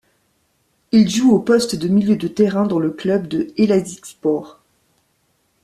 Il joue au poste de milieu de terrain dans le club de Elazığspor.